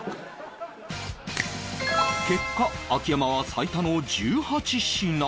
結果秋山は最多の１８品